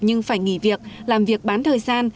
nhưng phải nghỉ việc làm việc bán thời gian